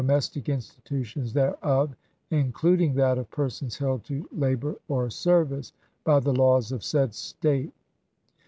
"' mestic institutions thereof, including that of persons Mar 2 1861 p.' 350. ' held to labor or service by the laws of said State."